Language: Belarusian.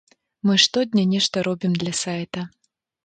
Мы штодня нешта робім для сайта.